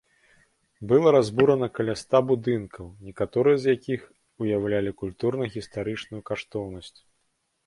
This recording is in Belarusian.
Было разбурана каля ста будынкаў, некаторыя з якіх уяўлялі культурна-гістарычную каштоўнасць.